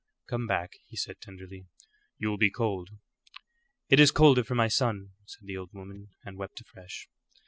"Come back," he said, tenderly. "You will be cold." "It is colder for my son," said the old woman, and wept afresh.